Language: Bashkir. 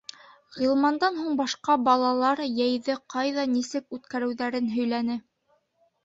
Ғилмандан һуң башҡа балалар йәйҙе ҡайҙа, нисек үткәреүҙәрен һөйләне.